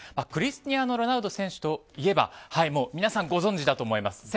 クリスティアーノ・ロナウド選手といえば皆さんご存じだと思います